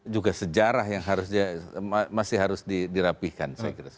juga sejarah yang masih harus dirapihkan